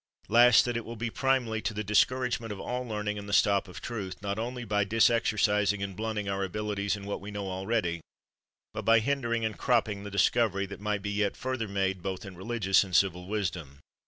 Last that it will be primely to the discouragement of all learning, and the stop of Truth, not only by disexercising and blunting our abilities in what we know already, but by hindering and cropping the discovery that might be yet further made both in religious and civil wisdom.